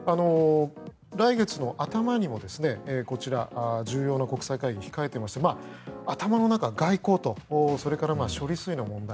来月の頭にもこちら、重要な国際会議が控えていまして頭の中、外交と処理水の問題